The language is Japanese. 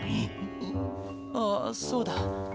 あっそうだ。